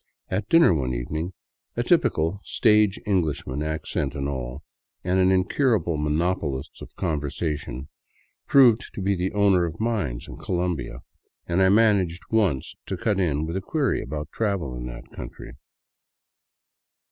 At dinner one evening a typical, stage Englishman, Accent and all, and an incurable monopolist of the con versation, proved to be the owner of mines in Colombia, and I man aged once to cut in with a query about travel in that country.